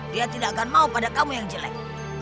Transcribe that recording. dia tidak akan mau pada kamu yang jelek